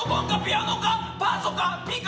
パソか、ピか？